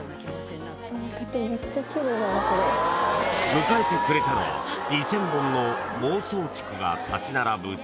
［迎えてくれたのは２，０００本のモウソウチクが立ち並ぶ竹林］